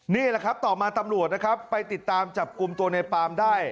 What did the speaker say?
นี่แหละครับต่อมาตำรวจนะครับไปติดตามจับกลุ่มตัวในปามได้